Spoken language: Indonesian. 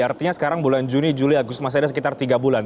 artinya sekarang bulan juni juli agus masih ada sekitar tiga bulan